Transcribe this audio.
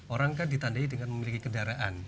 orang kan ditandai dengan memiliki kendaraan